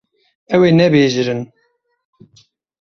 Ew ê nebijêrin.